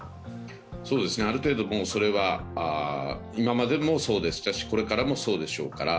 ある程度それは、今までもそうでしたしこれからもそうでしょうから。